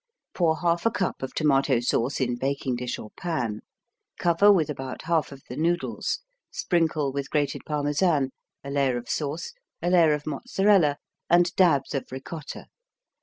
Pour 1/2 cup of tomato sauce in baking dish or pan, cover with about 1/2 of the noodles, sprinkle with grated Parmesan, a layer of sauce, a layer of Mozzarella and dabs of Ricotta.